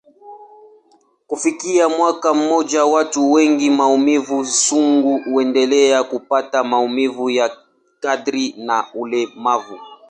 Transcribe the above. Kufikia mwaka mmoja, watu wenye maumivu sugu huendelea kupata maumivu ya kadri na ulemavu.